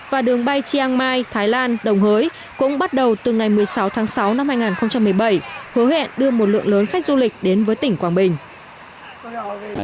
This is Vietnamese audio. và đường bay chiang mai thái lan đồng hới cũng bắt đầu từ ngày một mươi sáu tháng sáu năm hai nghìn một mươi bảy hứa hẹn đưa một lượng lớn khách du lịch đến với tỉnh quảng bình